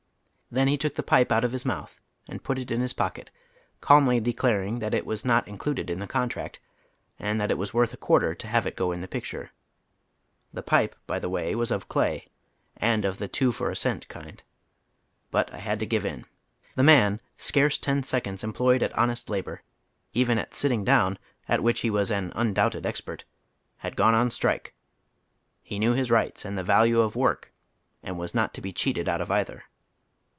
Then lie took the pipe out of his mouth and put it in his pocket, calmly de claring that it was not included in the contract, and tliat it was worth aqnarter to have it go in tlie picture. The pipe, by the way, was of clay, and of the two for a ceut kind. But I had to give in. The man, scarce ten sec onds employed at honest labor, even at sitting down, at which he was an undoubted expert, had gone on sti ike. He knew his rights and the value of " work," and was not to be cheated out of either.